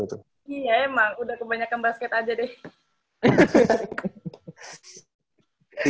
iya emang udah kebanyakan basket aja deh